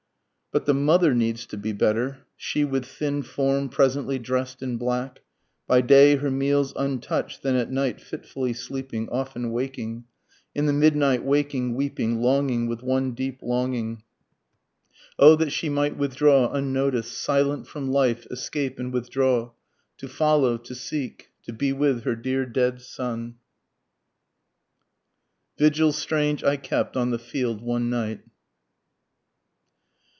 But the mother needs to be better, She with thin form presently drest in black, By day her meals untouch'd, then at night fitfully sleeping, often waking, In the midnight waking, weeping, longing with one deep longing, O that she might withdraw unnoticed, silent from life escape and withdraw, To follow, to seek, to be with her dear dead son. VIGIL STRANGE I KEPT ON THE FIELD ONE NIGHT.